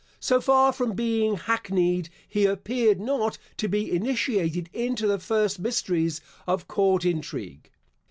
So far from being hackneyed, he appeared not to be initiated into the first mysteries of court intrigue.